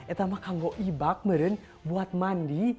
itu mah kita gak pake juga buat mandi